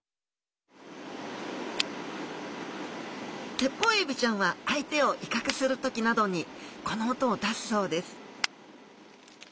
テッポウエビちゃんは相手を威嚇する時などにこの音を出すそうです